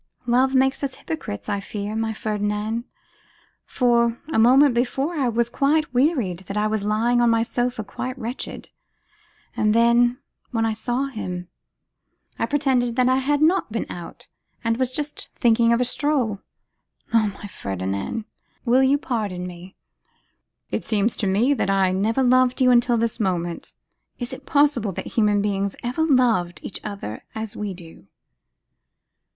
'Love makes us hypocrites, I fear, my Ferdinand; for, a moment before, I was so wearied that I was lying on my sofa quite wretched. And then, when I saw him, I pretended that I had not been out, and was just thinking of a stroll. Oh, my Ferdinand! will you pardon me?' 'It seems to me that I never loved you until this moment. Is it possible that human beings ever loved each other as we do?